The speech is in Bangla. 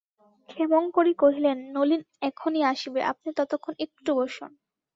ক্ষেমংকরী কহিলেন, নলিন এখনি আসিবে, আপনি ততক্ষণ একটু বসুন।